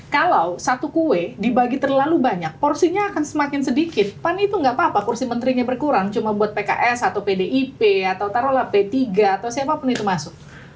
kalau satu kue dibagi terlalu banyak porsinya akan semakin sedikit pan itu nggak apa apa kursi menterinya berkurang cuma buat pks atau pdip atau taruhlah p tiga atau siapapun itu masuk